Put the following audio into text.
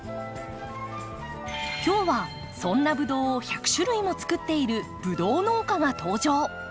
今日はそんなブドウを１００種類もつくっているブドウ農家が登場。